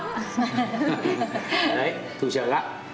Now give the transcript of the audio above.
đấy chủ trưởng ạ